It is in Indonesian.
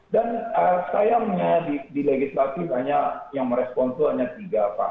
dan sayangnya di legislatif hanya yang meresponsor hanya tiga pak